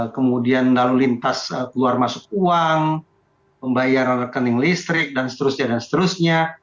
kemudian lalu lintas keluar masuk uang pembayaran rekening listrik dan seterusnya dan seterusnya